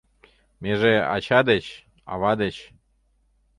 Меже ача деч, ава деч